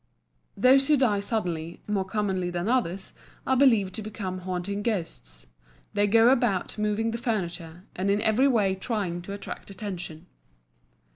Those who die suddenly, more commonly than others, are believed to become haunting Ghosts. They go about moving the furniture, and in every way trying to attract attention.